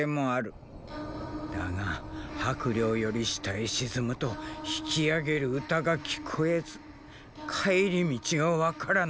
だが魄領より下へ沈むとトーンタンタン引き上げる歌が聞こえず帰り道が分からなくなる。